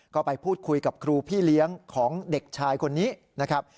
ก็ไปพูดคุยกับครูพี่เลี้ยงของเด็กชายคนนี้นะครับ